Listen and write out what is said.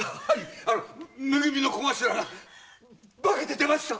め組の小頭が化けて出ました！